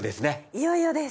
いよいよです